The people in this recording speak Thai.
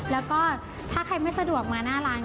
แล้วก็ถ้าใครไม่สะดวกมาหน้าร้าน